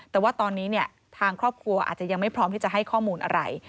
แต่ว่าตอนนี้เนี่ยทางครอบครัวอาจจะยังไม่พร้อมที่จะให้ข้อมูลอะไร